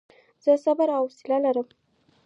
زه صبر او حوصله لرم.